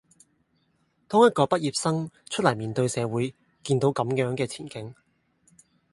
當一個畢業生出黎面對社會見到咁樣嘅前景